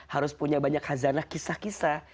harus punya banyak hazanah kisah kisah